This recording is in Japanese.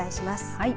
はい。